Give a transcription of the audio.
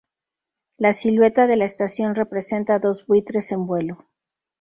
La silueta de la estación representa dos buitres en vuelo.